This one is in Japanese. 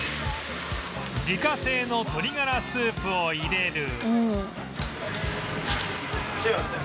自家製の鶏ガラスープを入れる